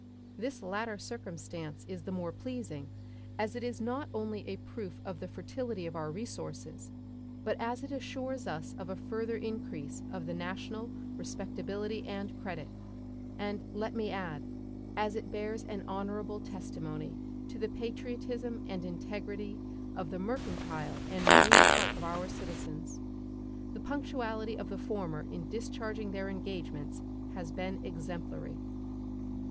This latter circumstance is the more pleasing, as it is not only a proof of the fertility of our resources, but as it assures us of a further increase of the national respectability and credit, and, let me add, as it bears an honorable testimony to the patriotism and integrity of the mercantile and marine part of our citizens. The punctuality of the former in discharging their engagements has been exemplary.